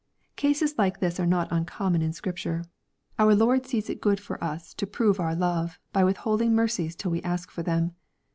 '' Cases like this are not uncommon in Scripture. Our Lord sees it good for us to prove our love, by withholding mercies till we ask for them.